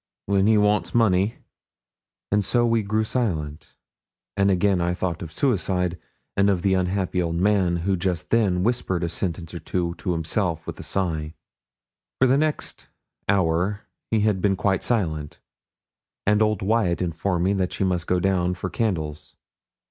'When he wants money.' So we grew silent, and again I thought of suicide, and of the unhappy old man, who just then whispered a sentence or two to himself with a sigh. For the next hour he had been quite silent, and old Wyat informed me that she must go down for candles.